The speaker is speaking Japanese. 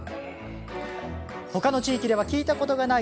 他の地域では聞いたことがない